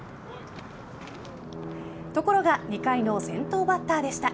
ところが２回の先頭バッターでした。